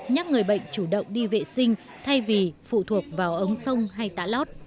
nhắc người bệnh chủ động đi vệ sinh thay vì phụ thuộc vào ống sông hay tả lót